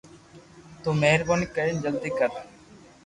تو مھربوني ڪرين جلدي ڪر